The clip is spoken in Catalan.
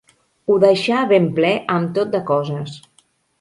Ho deixà ben ple amb tot de coses.